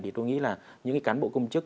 thì tôi nghĩ là những cán bộ công chức